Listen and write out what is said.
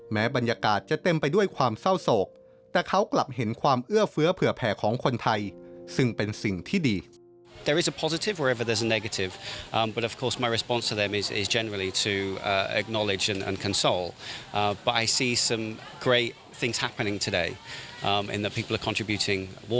แต่เขากลับเห็นความเอื้อเฟื้อเผื่อแผ่ของคนไทยซึ่งเป็นสิ่งที่ดี